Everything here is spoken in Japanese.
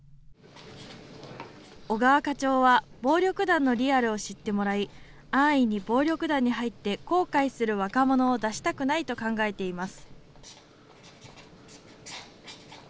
小川課長は、暴力団のリアルを知ってもらい、安易に暴力団に入って後悔する若者を出したくないと考えています。